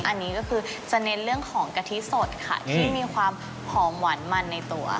อันนี้ก็คือจะเน้นเรื่องของกะทิสดค่ะที่มีความหอมหวานมันในตัว